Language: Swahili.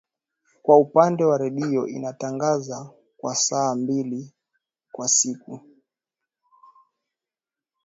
Kwa upande wa redio inatangaza kwa saa mbili kwa siku